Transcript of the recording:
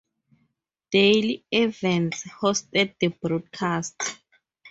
Dale Evans hosted the broadcast.